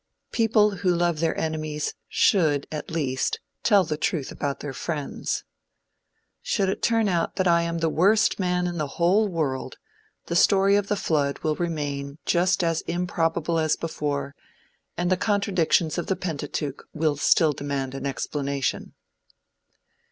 People who love their enemies should, at least, tell the truth about their friends. Should it turn out that I am the worst man in the whole world, the story of the flood will remain just as improbable as before, and the contradictions of the Pentateuch will still demand an explanation.